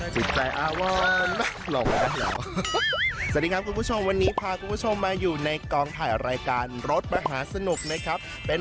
สวัสดีครับคุณผู้ชมวันนี้พาคุณผู้ชมมาอยู่ในกองถ่ายรายการรถมหาสนุกนะครับ